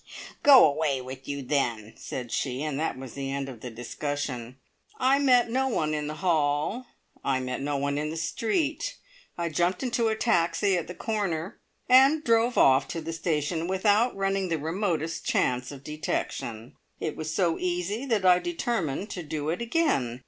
"Go away wid you then!" said she, and that was the end of the discussion. I met no one in the hall. I met no one in the street. I jumped into a taxi at the corner and drove off to the station without running the remotest chance of detection. It was so easy that I determined to do it again!